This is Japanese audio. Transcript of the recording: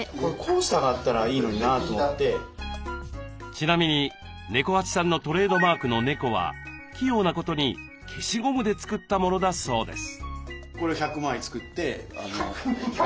ちなみに猫八さんのトレードマークの猫は器用なことに消しゴムで作ったものだそうです。